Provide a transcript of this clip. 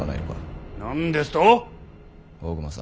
何ですと！